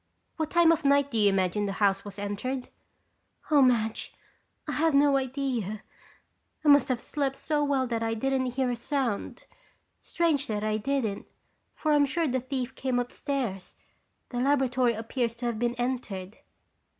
"What time of night do you imagine the house was entered?" "Oh, Madge, I have no idea. I must have slept so well that I didn't hear a sound. Strange that I didn't, for I'm sure the thief came upstairs. The laboratory appears to have been entered."